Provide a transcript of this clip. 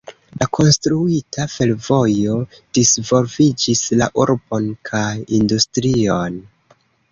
La konstruita fervojo disvolviĝis la urbon kaj industrion.